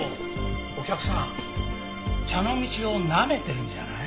お客さん茶の道をなめてるんじゃない？